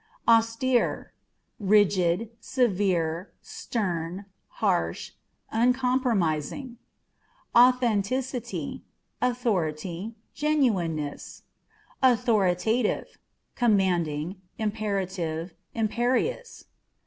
AusTERE r rigid, severe, stern, harsh, uncompromising. Authenticity â€" authority, genuineness. AUTHORiTATiVE ^commanding, imperative, imperious.